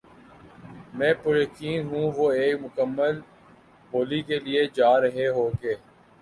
میں پُریقین ہوں وہ ایک مکمل بولی کے لیے جا رہے ہوں گے